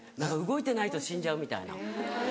動いてないと死んじゃうみたいな。